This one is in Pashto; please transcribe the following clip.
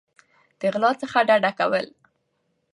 د غلا څخه ډډه کول